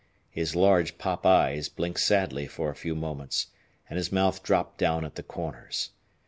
His large pop eyes blinked sadly for a few moments, and his mouth dropped down at the corners.